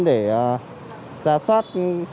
để giả soát